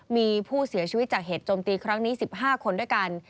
มีผู้เสียชีวิตจากเหตุจมตีครั้งนี้๑๕คนด้วยกัน